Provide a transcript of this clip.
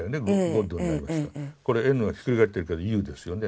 これＮがひっくり返ってるけどＵですよね。